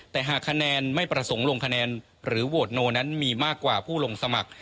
แต่หากคะแนนไม่ประสงค์ลงคะแนนหรือโหวตโนนั้นมีมากกว่าผู้ลงสมัคร